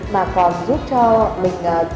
mà còn giúp cho mình